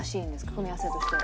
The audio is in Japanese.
組み合わせとしては。